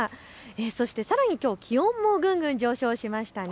そしてさらにきょうは気温もぐんぐん上昇しましたね。